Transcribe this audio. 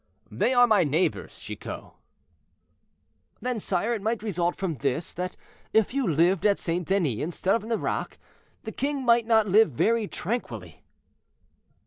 "They are my neighbors, Chicot." "Then, sire, it might result from this, that if you lived at St. Denis instead of Nerac, the king might not live very tranquilly."